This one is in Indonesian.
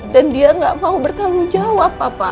dan dia gak mau bertanggung jawab papa